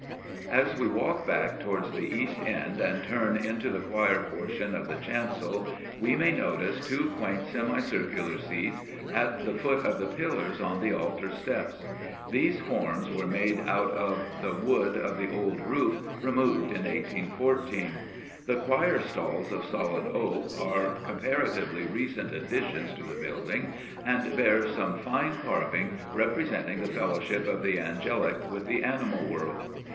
_ As we walk back towards the east end and turn into the choir portion of the chancel we may notice two quaint semicircular seats at the foot of the pillars on the altar steps. These forms were made out of the wood of the old roof removed in 1814. The choir stalls, of solid oak, are comparatively recent additions to the building and bear some fine carving representing "the fellowship of the angelic with the animal world."